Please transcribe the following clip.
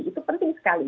itu penting sekali